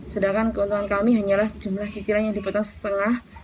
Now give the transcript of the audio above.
sedangkan keuntungan kami hanyalah jumlah cicilan yang dipotong setengah